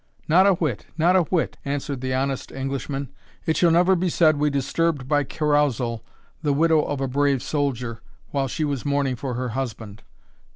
"Not a whit not a whit," answered the honest Englishman; "it shall never be said we disturbed by carousal the widow of a brave soldier, while she was mourning for her husband.